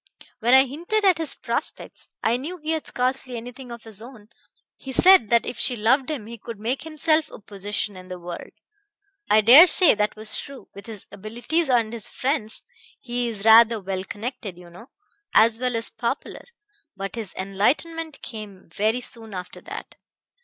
When I hinted at his prospects I knew he had scarcely anything of his own he said that if she loved him he could make himself a position in the world. I dare say that was true, with his abilities and his friends; he is rather well connected, you know, as well as popular. But his enlightenment came very soon after that.